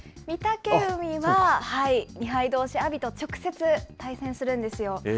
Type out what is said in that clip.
御嶽海は、２敗どうし、阿炎と直接対戦するんですよ。